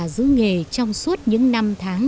giữ nghề trong suốt những năm tháng